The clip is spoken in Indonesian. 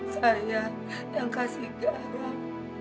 saya yang kasih garam